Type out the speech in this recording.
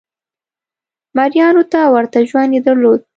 مریانو ته ورته ژوند یې درلود.